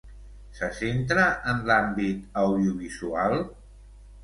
Se centra en l'àmbit audiovisual?